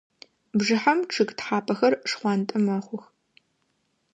Бжыхьэм чъыг тхьапэхэр шхъуантӏэ мэхъух.